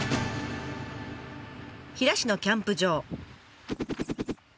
飛騨市のキャンプ場。